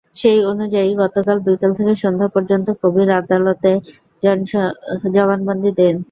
সেই অনুযায়ী গতকাল বিকেল থেকে সন্ধ্যা পর্যন্ত কবির আদালতে জবানবন্দি দেন।